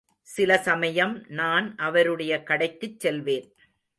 சில சமயம் நான் அவருடைய கடைக்குச் செல்வேன்.